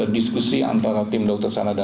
diskusi antara tim dokter sana dan